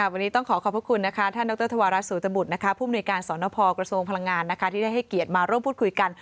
วันนี้ต้องขอขอบพระคุณนะคะท่านดรธวรัฐสูตบุตรผู้มนุยการสนพกระทรวงพลังงานที่ได้ให้เกียรติมาร่วมพูดคุยกัน